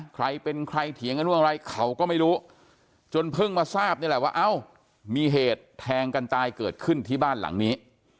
ใครเป็นใครเถียงกันเรื่องอะไรเขาก็ไม่รู้จนเพิ่งมาทราบนี่แหละว่าเอ้ามีเหตุแทงกันตายเกิดขึ้นที่บ้านหลังนี้